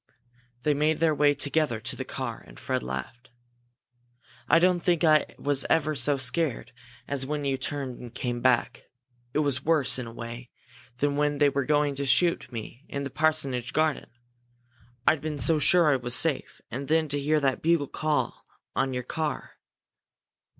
They made their way together to the car, and Fred laughed. "I don't think I was ever so scared as when you turned and came back. It was worse, in a way, than when they were going to shoot me in the parsonage garden. I'd been so sure I was safe and then to hear that bugle call on your car!"